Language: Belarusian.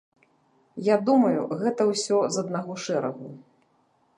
Я думаю, гэта ўсё з аднаго шэрагу.